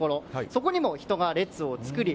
そこにも人が列を作り